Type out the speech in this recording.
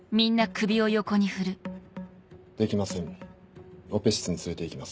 できませんオペ室に連れていきます。